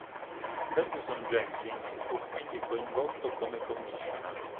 Ferguson Jenkins fu quindi coinvolto come Commissioner.